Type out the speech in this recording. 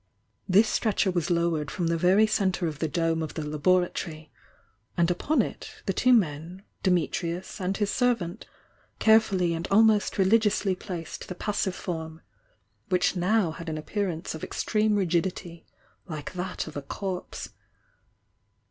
This stretcher was lowered from the very centre of the dome of the laboratory, and upon it the two men, Dimitrms and his servant, carefully and almost religiously placed the passive form, which now had an appear ^ce of extreme rigidity, like that of a corpse.